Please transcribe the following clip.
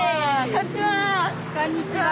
こんにちは。